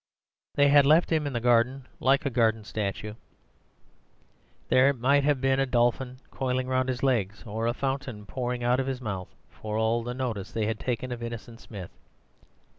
They had left him in the garden like a garden statue; there might have been a dolphin coiling round his legs, or a fountain pouring out of his mouth, for all the notice they had taken of Innocent Smith.